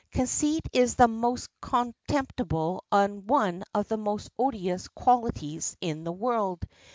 Conceit is the most contemptible and one of the most odious qualities in the world.